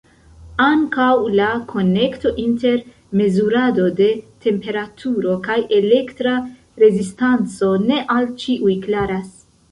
Ankaŭ la konekto inter mezurado de temperaturo kaj elektra rezistanco ne al ĉiuj klaras.